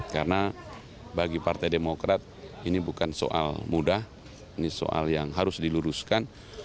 karena bagi partai demokrat ini bukan soal mudah ini soal yang harus diluruskan